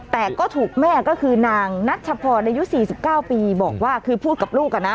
แต่ก็ถูกแม่ก็คือนางนัชพรอายุ๔๙ปีบอกว่าคือพูดกับลูกอ่ะนะ